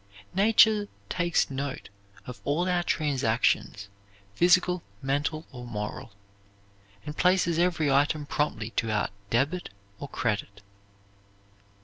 Nature takes note of all our transactions, physical, mental, or moral, and places every item promptly to our debit or credit.